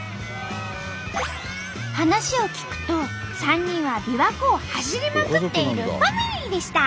話を聞くと３人はびわ湖を走りまくっているファミリーでした！